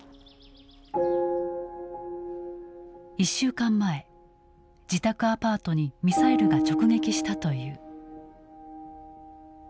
１週間前自宅アパートにミサイルが直撃したという。